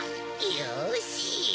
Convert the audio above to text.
よし！